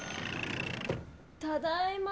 ただいま！